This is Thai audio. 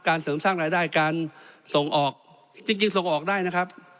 เสริมสร้างรายได้การส่งออกจริงส่งออกได้นะครับ